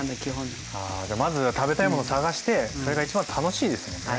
あじゃあまず食べたいものを探してそれが一番楽しいですもんね。はい。